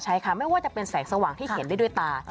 ใช่ค่ะไม่ว่าจะเป็นแสงสว่างที่เขียนได้ด้วยตา